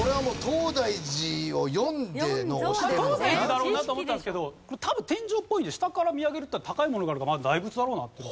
東大寺だろうなと思ったんですけど多分天井っぽいので下から見上げるっていったら高いものがあるから大仏だろうなっていうのが。